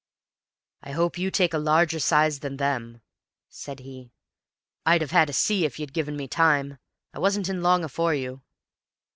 "I hope you take a larger size than them," said he. "I'd have had a see if you'd given me time. I wasn't in long afore you."